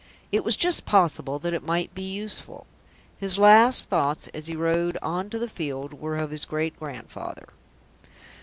It was just possible that it might be useful. His last thoughts as he rode on to the field were of his great grandfather.